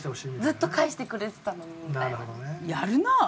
ずっと返してくれてたのにみたいな。